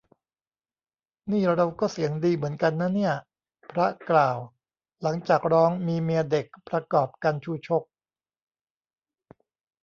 "นี่เราก็เสียงดีเหมือนกันนะเนี่ย" พระกล่าว หลังจากร้อง มีเมียเด็ก ประกอบกัณฑ์ชูชก